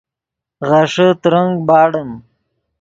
غیݰے ترنگ باڑیم